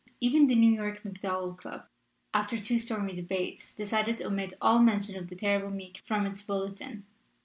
Even the New York MacDowell Club, after two stormy debates, decided to omit all mention of The Ter rible Meek from its bulletin.